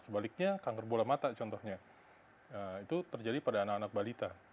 sebaliknya kanker bola mata contohnya itu terjadi pada anak anak balita